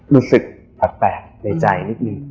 รู้สึกแปลกในใจนิดนึง